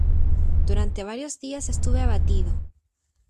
Durante varios días estuve abatido.